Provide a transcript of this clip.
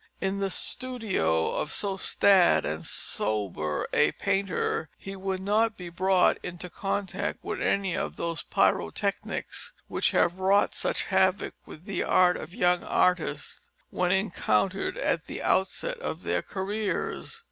In the studio of so staid and sober a painter he would not be brought into contact with any of those pyrotechnics which have wrought such havoc with the art of young artists when encountered at the onset of their careers.